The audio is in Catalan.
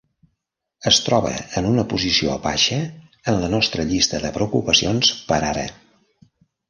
Es troba en una posició baixa en la nostra llista de preocupacions per ara.